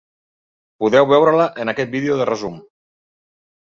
Podeu veure-la en aquest vídeo de resum.